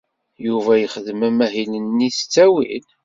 Yuba yexdem amahil-nni s ttawil.